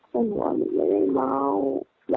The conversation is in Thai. แต่ทีนี้อย่างที่บอกว่าเธอโดนกาดทำร้ายร่างกายนะฮะ